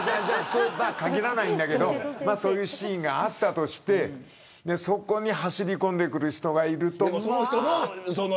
それとは限らないんだけどそういうシーンがあったとしてそこに走り込んでくる人がいると。